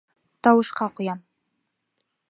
Тауышҡа ҡуям!..